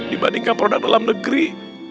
dibandingkan produk dalam negeri